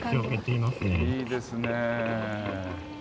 いいですね。